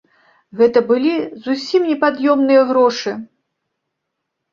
Гэта былі зусім непад'ёмным грошы!